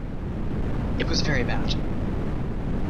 It was very bad.